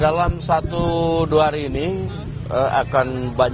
dalam sehari dua hari ini bang